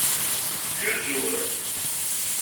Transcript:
Yuzur.